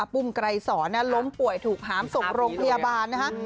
ปุ้มไกรสอนล้มป่วยถูกหามส่งโรงพยาบาลนะคะ